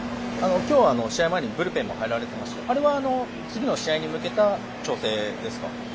今日は試合前にブルペンに入られてましたがあれは次の試合に向けた調整ですか？